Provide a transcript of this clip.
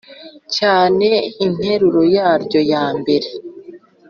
cyane Interuro yaryo ya mbere